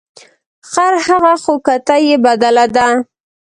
ـ خرهغه خو کته یې بدله ده .